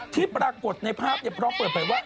ที่ปรากฏในภาพพร้อมเปิดเผยว่า